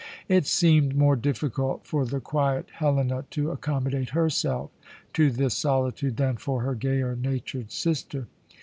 It seemed more difficult for the quiet Helena to accommodate herself to this solitude than for her gayer natured sister.